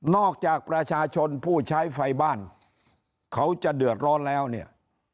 จากประชาชนผู้ใช้ไฟบ้านเขาจะเดือดร้อนแล้วเนี่ย